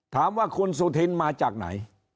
ถามว่าคุณสุธินมาจากไหน